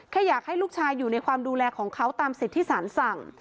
แค่อยากให้ลูกชายอยู่ในความดูแลของเขาตามสิทธิ์ที่สารสั่ง